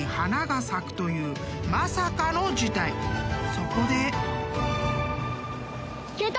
［そこで］